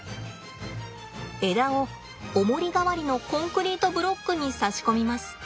枝をおもり代わりのコンクリートブロックに差し込みます。